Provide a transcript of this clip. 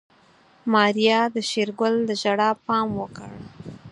ماريا د شېرګل د ژړا پام وکړ.